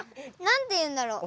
なんていうんだろう